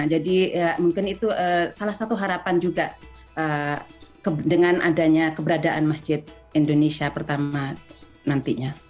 jadi ya mungkin itu salah satu harapan juga dengan adanya keberadaan masjid indonesia pertama nantinya